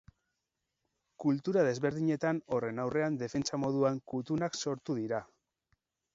Kultura desberdinetan horren aurrean, defentsa moduan, kutunak sortu dira.